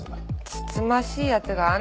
つつましい奴があんな